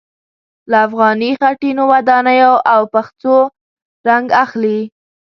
له افغاني خټينو ودانیو او پخڅو رنګ اخلي.